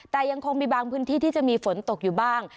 แต่ยังคงมีบางพื้นที่ที่จะมีฝนตกอยู่บ้าง